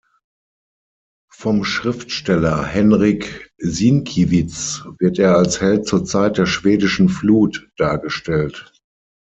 Vom Schriftsteller Henryk Sienkiewicz wird er als Held zur Zeit der „Schwedischen Flut“ dargestellt.